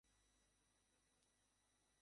মাদ্রাসাটি ভবনটি ইংরেজি বর্ণ ইউ-আকৃতির।